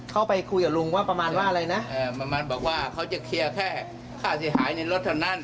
เข้าไปคุยกับลุงว่าประมาณว่าอะไรนะประมาณบอกว่าเขาจะเคลียร์แค่ค่าเสียหายในรถเท่านั้น